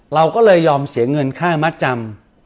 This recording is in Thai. เราก็เลยยอมเสียเงินค่ามัดจำ